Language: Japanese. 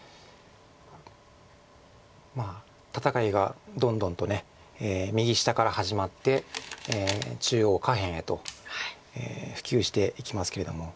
まあ戦いがどんどんと右下から始まって中央下辺へと普及していきますけれども。